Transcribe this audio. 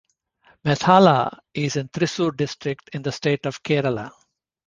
Methala is in Thrissur district, in the state of kerala.